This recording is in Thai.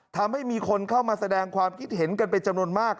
ทำให้มีคนเข้ามาแสดงความคิดเห็นกันเป็นจำนวนมาก